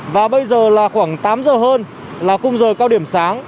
và bây giờ là khoảng tám giờ hơn là khung giờ cao điểm sáng